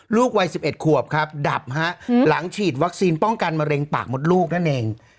วัย๑๑ขวบครับดับฮะหลังฉีดวัคซีนป้องกันมะเร็งปากมดลูกนั่นเอง